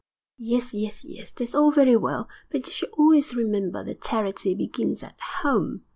'Yes, yes, yes; that's all very well, but you should always remember that charity begins at home....